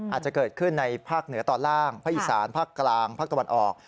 อาจจะเกิดขึ้นในภาคเหนือตอนล่างภาคอีสานภาคกลางภาคตะวันออก